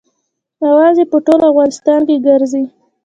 اوازه یې په ټول افغانستان کې ګرزي.